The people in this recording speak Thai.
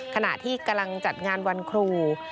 ขณะที่กำลังจัดงานวันครู